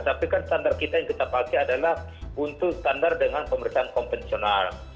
tapi kan standar kita yang pakai adalah buntu standar dengan pemerintahan konvensional